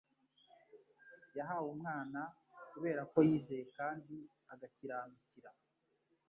yahawe umwana kubera ko yizeye kandi agakiranukira